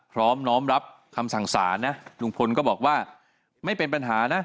น้อมรับคำสั่งสารนะลุงพลก็บอกว่าไม่เป็นปัญหานะ